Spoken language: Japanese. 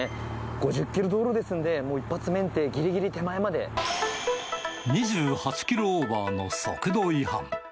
５０キロ道路ですんで、２８キロオーバーの速度違反。